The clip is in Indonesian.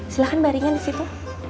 silahkan baringan disitu